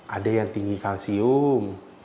ada yang tinggi kalsium